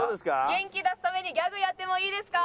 元気出すためにギャグやってもいいですか？